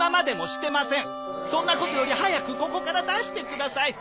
そんなことより早くここから出してください！